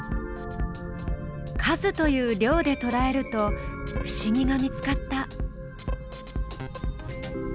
「数」という「量」でとらえると不思議が見つかった。